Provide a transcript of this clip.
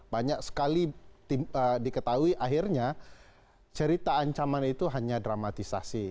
banyak sekali diketahui akhirnya cerita ancaman itu hanya dramatisasi